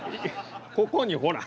ここにほら。